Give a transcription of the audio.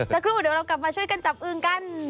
สักครู่เดี๋ยวเรากลับมาช่วยกันจับอึงกัน